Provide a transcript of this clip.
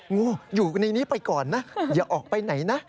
งูอยู่ในนี้ไปก่อนนะอย่าออกไปไหนนะ